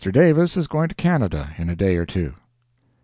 Davis is going to Canada in a day or two.